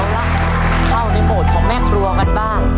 เอาละเข้าในโหมดของแม่ครัวกันบ้าง